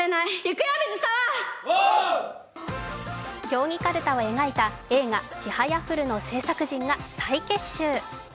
競技かるたを描いた映画「ちはやふる」の製作陣が再結集。